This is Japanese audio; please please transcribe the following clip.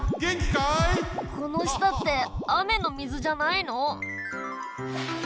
このしたってあめのみずじゃないの？